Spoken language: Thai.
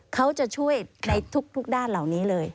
เขาจะช่วยในทุกด้านเหล่านี้เลย